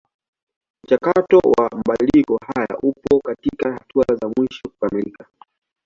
Mchakato wa mabadiliko haya upo katika hatua za mwisho kukamilika.